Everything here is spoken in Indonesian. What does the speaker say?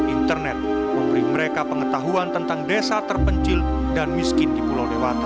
internet memberi mereka pengetahuan tentang desa terpencil dan miskin di pulau dewata